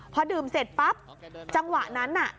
พอดื่มเสร็จปั๊บจังหวะนั้นน่ะ